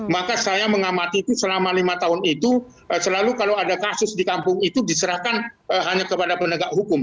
maka saya mengamati itu selama lima tahun itu selalu kalau ada kasus di kampung itu diserahkan hanya kepada penegak hukum